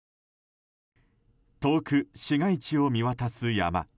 遠く市街地を見渡す山。